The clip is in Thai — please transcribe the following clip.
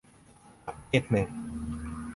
ประเทศหนึ่ง